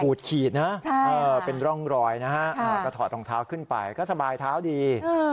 ขีดนะเป็นร่องรอยนะฮะก็ถอดรองเท้าขึ้นไปก็สบายเท้าดี